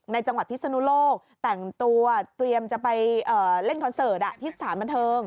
จังหวัดพิศนุโลกแต่งตัวเตรียมจะไปเล่นคอนเสิร์ตที่สถานบันเทิง